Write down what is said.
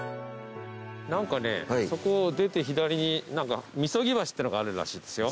何かねそこを出て左に禊橋ってのがあるらしいですよ。